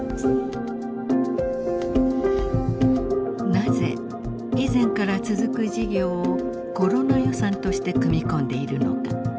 なぜ以前から続く事業をコロナ予算として組み込んでいるのか。